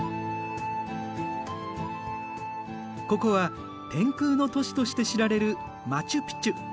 ここは天空の都市として知られるマチュピチュ。